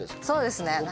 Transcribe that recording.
そうですね。